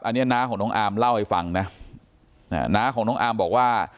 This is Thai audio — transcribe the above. อันนี้น้าของน้องอาร์มเล่าให้ฟังนะน้าของน้องอาร์มบอกว่า